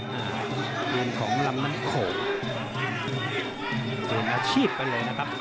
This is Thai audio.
มันแรก๑ชีพไปเลยนะครับ